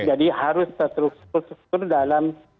jadi harus terus tur dalam